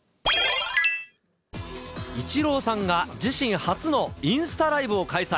イチローさんが自身初のインスタライブを開催。